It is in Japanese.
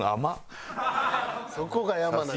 そこが山名。